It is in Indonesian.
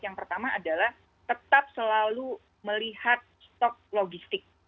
yang pertama adalah tetap selalu melihat stok logistik